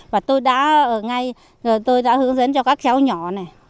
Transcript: và tôi đã ở ngay tôi đã hướng dẫn cho các cháu nhỏ này